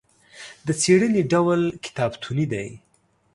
د څېړنې ډول کتابتوني دی.